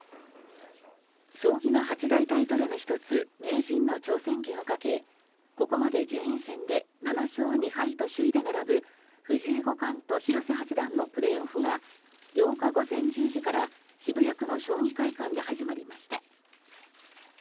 将棋の八大タイトルの１つ名人の挑戦権をかけここまで順位戦で７勝２敗と首位で並ぶ藤井五冠と広瀬八段のプレーオフが８日午前１０時から渋谷区の将棋会館で始まりました。